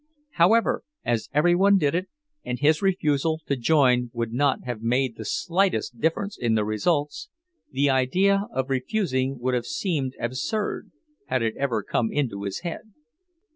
However, as every one did it, and his refusal to join would not have made the slightest difference in the results, the idea of refusing would have seemed absurd, had it ever come into his head.